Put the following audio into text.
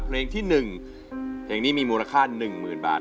เพลงที่๑เพลงนี้มีมูลค่า๑๐๐๐บาท